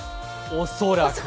恐らく。